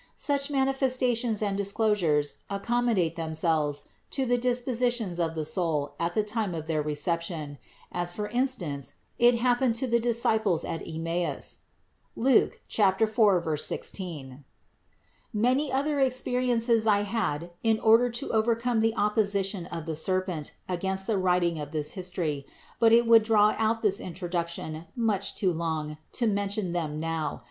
Such mani festations and disclosures accommodate themselves to the dispositions of the soul at the time of their reception, as for instance it happened to the disciples at Emmaus (Luke 24, 16). Many other experiences I had in order to overcome the opposition of the serpent against the writing of this history, but it would draw out this intro duction too much to mention them now